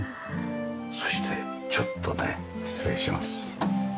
そしてちょっとね失礼します。